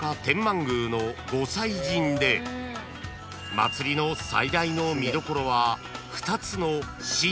［祭りの最大の見どころは］